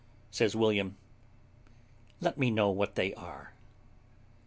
Says William, "Let me know what they are."